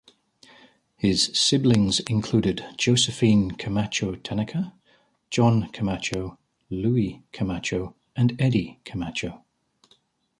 His siblings included Josephine Camacho Tanaka, John Camacho, Luis Camacho, and Eddie Camacho.